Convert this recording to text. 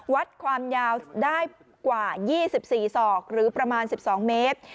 วัดความยาวได้กว่า๒๔ศอกหรือประมาณ๑๒เมตร